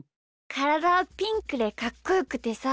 からだはピンクでかっこよくてさ。